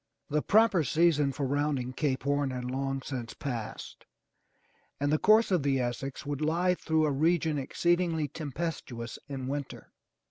The proper season for rounding Cape Horn had long since passed and the course of the Essex would lie through a region exceedingly tempestuous in winter.